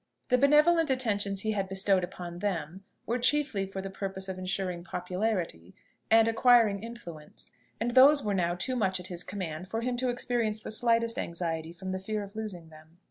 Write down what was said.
The benevolent attentions he had bestowed upon them were chiefly for the purpose of ensuring popularity and acquiring influence, and these were now too much at his command for him to experience the slightest anxiety from the fear of losing them.